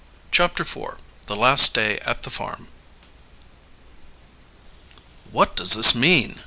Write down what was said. CHAPTER IV THE LAST DAY AT THE FARM "What does this mean?"